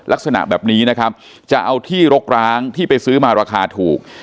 ลักษณะแบบนี้นะครับจะเอาที่รกร้างที่ไปซื้อมาราคาถูก